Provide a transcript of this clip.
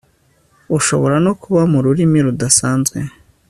bushobora no kuba ururimi rudasanzwe